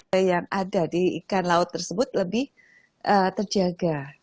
sehingga omega tiga yang ada di ikan laut tersebut lebih terjaga